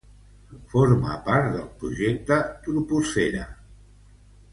Forma part del projecte Troposfera.